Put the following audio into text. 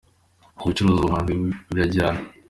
Ubucuruzi ubuhanzi birajyana